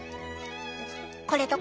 これとか？